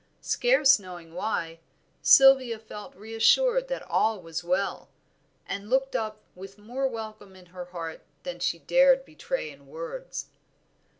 Scarce knowing why, Sylvia felt reassured that all was well, and looked up with more welcome in her heart than she dared betray in words.